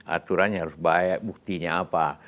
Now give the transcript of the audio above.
aturannya harus baik buktinya apa